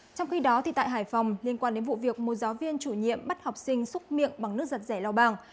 trong khi đó tại hải phòng liên quan đến vụ việc một giáo viên chủ nhiệm bắt học sinh xúc miệng bằng nước giặt rẻ lao bàng